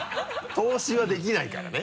透視はできないからね。